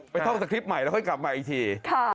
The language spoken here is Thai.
ไม่ต้องจะคลิปใหม่แล้วค่อยกลับมาอีกที